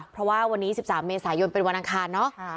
เพราะว่าวันนี้สิบสามเมษายนเป็นวันอังคารเนอะค่ะ